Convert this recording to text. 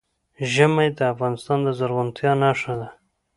ژمی د افغانستان د زرغونتیا نښه ده.